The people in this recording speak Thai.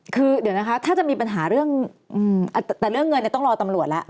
คือเดี๋ยวนะคะถ้าจะมีปัญหาเรื่องเงินเนี่ยต้องรอตำรวจละ